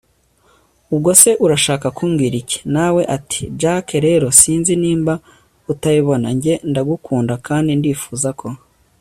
ubwo se urashaka kumbwira iki!? nawe ati jack rero sinzi nimba utabibona njye ndagukunda kandi ndifuza ko